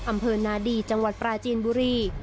อำเภอนาดีจังหวัดปราจีนบุรี